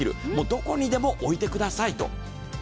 どこにでも置いてくださいと。